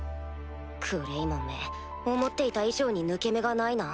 クレイマンめ思っていた以上に抜け目がないな。